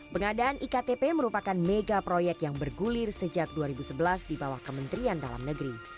pengadaan iktp merupakan mega proyek yang bergulir sejak dua ribu sebelas di bawah kementerian dalam negeri